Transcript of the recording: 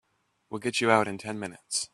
We'll get you out in ten minutes.